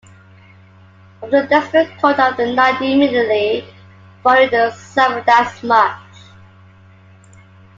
From the desperate cold of the night immediately following they suffered as much.